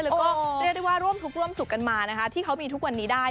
แล้วก็เรียกได้ว่าร่วมทุกข์ร่วมสุขกันมานะคะที่เขามีทุกวันนี้ได้